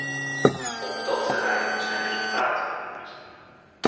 Op dat terrein zijn resultaten geboekt.